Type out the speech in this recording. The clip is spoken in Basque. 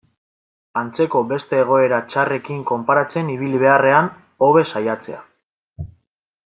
Antzeko beste egoera txarrekin konparatzen ibili beharrean, hobe saiatzea.